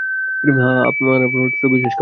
হ্যাঁঁ, আর আপনার জন্য, ছোট বিশেষ খাবার টেবিল।